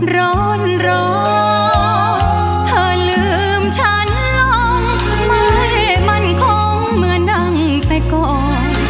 ร้อนร้อนเธอลืมฉันลองไม่มั่นคงเหมือนดังแต่ก่อน